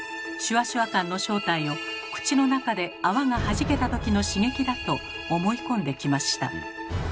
シュワシュワ感の正体を口の中で泡がはじけた時の刺激だと思い込んできました。